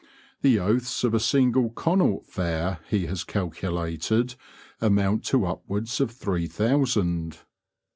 The oaths of a single Connaught fair, he has calculated, amount to upwards of three thousand.